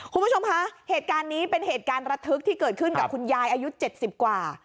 คุณผู้ชมคะเหตุการณ์นี้เป็นเหตุการณ์ระทึกที่เกิดขึ้นกับคุณยายอายุ๗๐กว่า